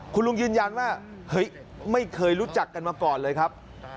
คุณลุงยืนยันว่าเฮ้ยไม่เคยรู้จักกันมาก่อนเลยครับ